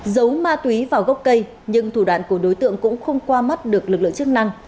giấu ma túy vào gốc cây nhưng thủ đoạn của đối tượng cũng không qua mắt được lực lượng chức năng